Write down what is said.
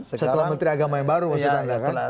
setelah menteri agama yang baru maksudnya